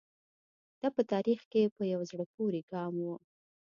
دا په تاریخ کې یو په زړه پورې ګام و.